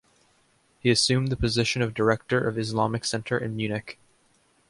He assumed the position of Director of Islamic Centre in Munich.